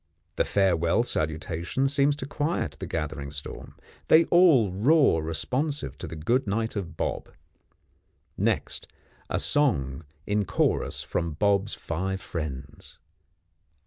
The farewell salutation seems to quiet the gathering storm. They all roar responsive to the good night of Bob. Next, a song in chorus from Bob's five friends.